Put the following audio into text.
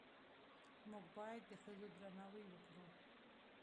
موږ باید د ښځو درناوی وکړو